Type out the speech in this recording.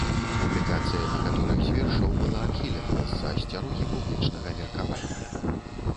Публікацыя некаторых з вершаў была адхілена з-за асцярогі публічнага меркавання.